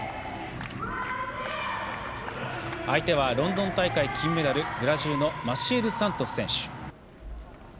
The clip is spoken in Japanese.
相手はロンドン大会金メダルブラジルのマシエル・サントス選手。